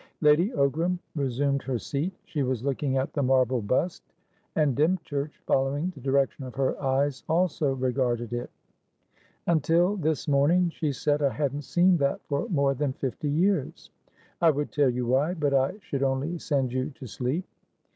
Lady Ogram resumed her seat. She was looking at the marble bust, and Dymchurch, following the direction of her eyes, also regarded it. "Until this morning," she said, "I hadn't seen that for more than fifty years. I would tell you whybut I should only send you to sleep."